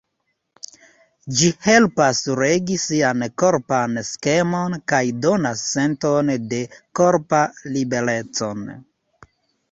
Ĝi helpas regi sian korpan skemon kaj donas senton de korpa libereco.